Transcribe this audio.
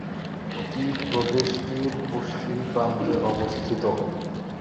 এটি প্রদেশটির পশ্চিম প্রান্তে অবস্থিত।